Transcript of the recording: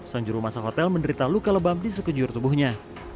sang juru masak hotel menderita luka lebam di sekejur tubuhnya